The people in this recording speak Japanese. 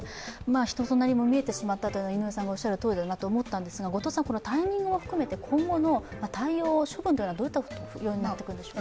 人となりも見えてしまったと井上さんがおっしゃるとおりだなと思ったんですが、このタイミングも含めて今後の対応、処分というのはどういうふうになってくるんでしょう。